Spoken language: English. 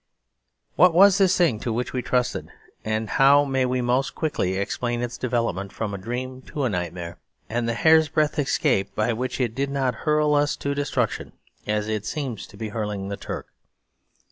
What was this thing to which we trusted? And how may we most quickly explain its development from a dream to a nightmare, and the hair's breadth escape by which it did not hurl us to destruction, as it seems to be hurling the Turk?